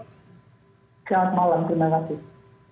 selamat malam terima kasih